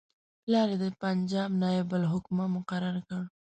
پلار یې د پنجاب نایب الحکومه مقرر کړ.